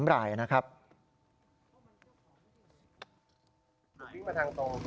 ผมวิ่งไปแล้วจะวิ่งไปทางตรง